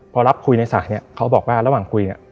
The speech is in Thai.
พอรับคุยในสายนี้เขาบอกว่าระหว่างคุย